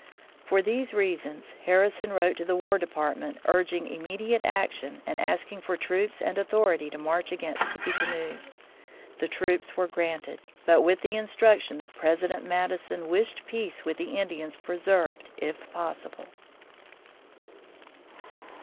For these reasons, Harrison wrote to the War Department urging immediate action and asking for troops and authority to march against Tippecanoe. The troops were granted, but with the instruction that President Madison wished peace with the Indians preserved if possible.